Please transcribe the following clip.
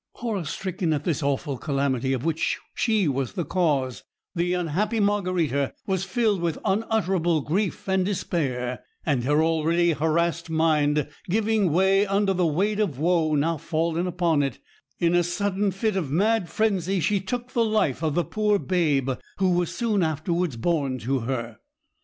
Horror stricken at this awful calamity, of which she was the cause, the unhappy Margarita was filled with unutterable grief and despair; and her already harassed mind giving way under the weight of woe now fallen upon it, in a sudden fit of mad frenzy she took the life of the poor babe who was soon afterwards born to her.